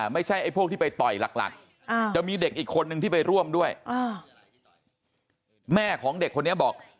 ไม่ใช่ไอ้พวกที่ไปต่อยหลักจะมีเด็กอีกคนนึงที่ไปร่วมด้วยแม่ของเด็กคนนี้บอก